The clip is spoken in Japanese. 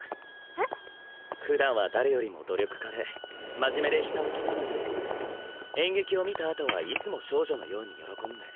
えっ？ふだんは誰よりも努力家で真面目でひたむきなのに演劇を見たあとはいつも少女のように喜んで。